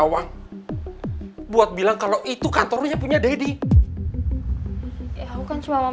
man atau tapi terserah terserah patreon